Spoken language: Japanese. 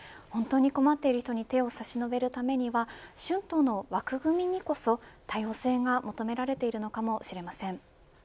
本当に困っている方に手を差し伸べるためには春闘の枠組みにこそ多様性が求められているのかもしれません。